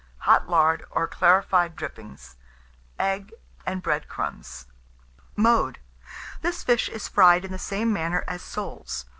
Hot lard, or clarified dripping; egg and bread crumbs. Mode. This fish is fried in the same manner as soles.